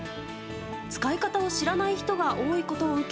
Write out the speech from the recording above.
使い方を知らない人が多いことを受け